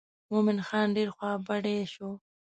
مومن خان ډېر خوا بډی شو.